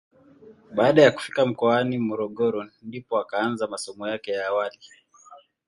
Baada ya kufika mkoani Morogoro ndipo akaanza masomo yake ya awali.